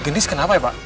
gendis kenapa ya pak